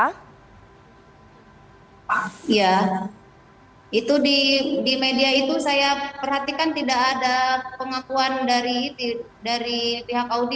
ya itu di media itu saya perhatikan tidak ada pengakuan dari pihak audi